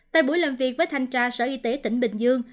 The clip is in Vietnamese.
tại buổi làm việc với thanh tra sở y tế tỉnh bình dương